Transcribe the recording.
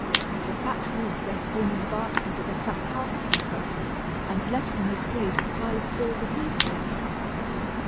The fat goose went home in the basket of a fat housekeeper, and left in his place a pile of silver pieces.